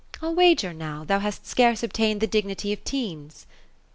I'll wager now, thou hast scarce obtained the dignity of teens